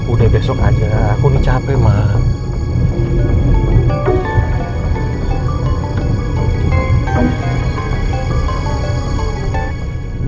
udah besok aja aku nih capek mak